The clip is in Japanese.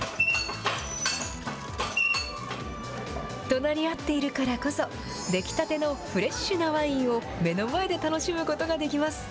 隣り合っているからこそ、出来たてのフレッシュなワインを目の前で楽しむことができます。